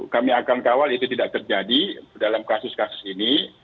kami akan kawal itu tidak terjadi dalam kasus kasus ini